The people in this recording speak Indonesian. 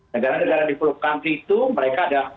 negara negara developed country itu mereka ada